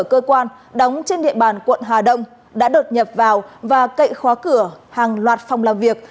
cơ quan đóng trên địa bàn quận hà đông đã đột nhập vào và cậy khóa cửa hàng loạt phòng làm việc